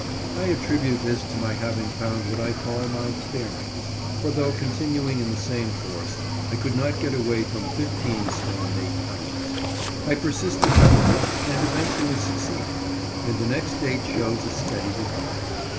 I attribute this to my having found what I call my "bearings," for though continuing in the same course, I could not get away from 15 stone 8 lbs. I persisted, however, and eventually succeeded; and the next date shows a steady decline.